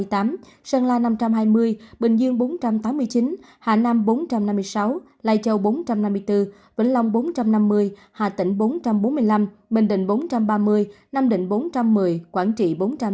hà giang năm trăm ba mươi tám sơn la năm trăm hai mươi bình dương bốn trăm tám mươi chín hà nam bốn trăm năm mươi sáu lai châu bốn trăm năm mươi bốn vĩnh long bốn trăm năm mươi hà tĩnh bốn trăm bốn mươi năm bình định bốn trăm ba mươi nam định bốn trăm một mươi quảng trị bốn trăm linh tám